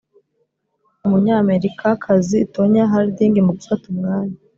umunyamerikazi tonya harding mu gufata umwanya